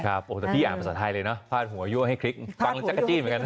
แต่พี่อ่านภาษาไทยเลยเนอะพาดหัวยั่วให้คลิกฟังแล้วจั๊กข้าจีนเหมือนกับ